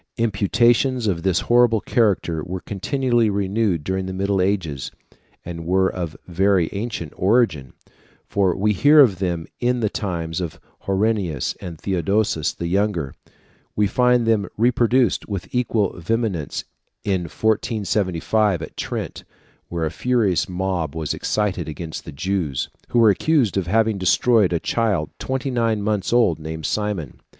Imputations of this horrible character were continually renewed during the Middle Ages, and were of very ancient origin; for we hear of them in the times of Honorius and Theodosius the younger; we find them reproduced with equal vehemence in 1475 at Trent, where a furious mob was excited against the Jews, who were accused of having destroyed a child twenty nine months old named Simon.